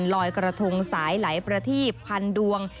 ลอยกระทงสายหลายประทีบพันดวง